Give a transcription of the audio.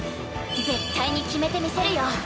絶対にきめてみせるよ。